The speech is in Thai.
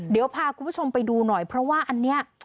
เดี๋ยวพาคุณผู้ชมไปดูหน่อยเพราะว่าอันนี้